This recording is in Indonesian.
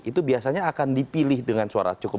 itu biasanya akan dipilih dengan suara cukup